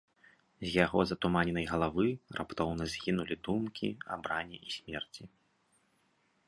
З яго затуманенай галавы раптоўна згінулі думкі аб ране і смерці.